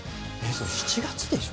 それ７月でしょ？